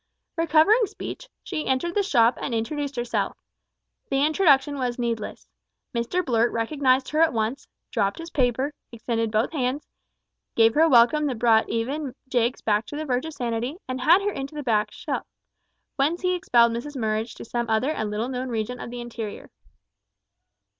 Recovering speech, she entered the shop and introduced herself. The introduction was needless. Mr Blurt recognised her at once, dropped his paper, extended both hands, gave her a welcome that brought even Jiggs back to the verge of sanity, and had her into the back shop, whence he expelled Mrs Murridge to some other and little known region of the interior.